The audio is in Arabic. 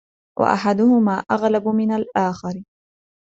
وَأَحَدُهُمَا أَغْلَبُ مِنْ الْآخَرِ